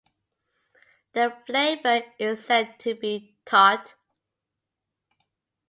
The flavor is said to be tart.